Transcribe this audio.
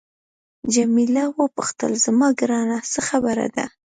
جميله وپوښتل زما ګرانه څه خبره ده.